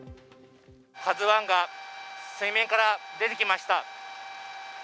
「ＫＡＺＵⅠ」が水面から出てきました。